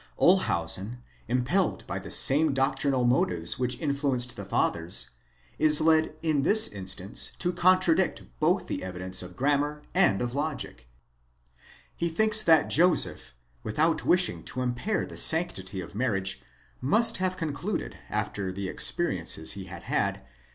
Olshausen, impelled by the same doctrinal motives which influenced the Fathers, is led in this instance to contradict both the evidence of grammar and of logic. He thinks that Joseph, without wishing to impair the sanctity of marriage, must have concluded after the experiences he had had